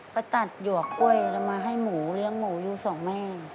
ไปตัดหยวกกล้วยแล้วมาให้หมูเลี้ยงหมูอยู่สองแม่